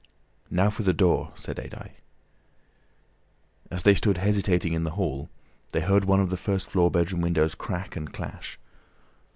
"Now for the door," said Adye. As they stood hesitating in the hall, they heard one of the first floor bedroom windows crack and clash.